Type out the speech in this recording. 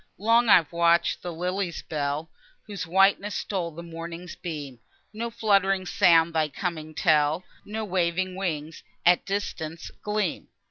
Long I've watch'd i' the lily's bell, Whose whiteness stole the morning's beam; No fluttering sounds thy coming tell, No waving wings, at distance, gleam.